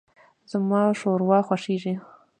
زما ښوروا خوښیږي.